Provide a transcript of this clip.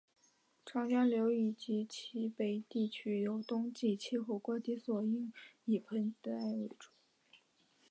长江流域及其以北地区由于冬季气温过低所以应以盆栽为主。